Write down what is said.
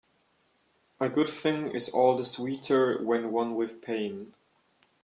A good thing is all the sweeter when won with pain.